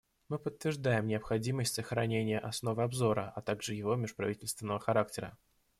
Мы подтверждаем необходимость сохранения основы обзора, а также его межправительственного характера.